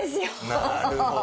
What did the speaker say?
なるほど。